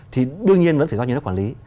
thì đương nhiên vẫn phải do nhà nước quản lý